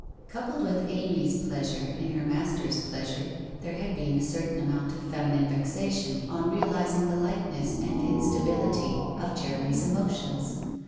Coupled with Amy's pleasure in her master's pleasure, there had been a certain amount of feminine vexation on realizing the lightness and instability of Jeremy's emotions.